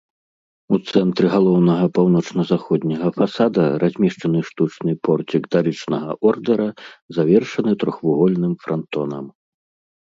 У цэнтры галоўнага паўночна-заходняга фасада размешчаны штучны порцік дарычнага ордэра, завершаны трохвугольным франтонам.